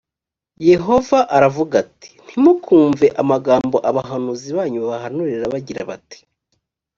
yehova aravuga ati ntimukumve amagambo abahanuzi banyu babahanurira bagira bati